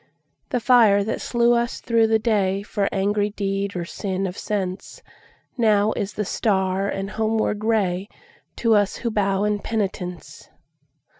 The fire that slew us through the dayFor angry deed or sin of senseNow is the star and homeward rayTo us who bow in penitence.